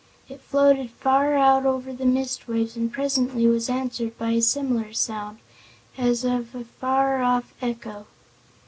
It floated far out over the mist waves and presently was answered by a similar sound, as of a far off echo.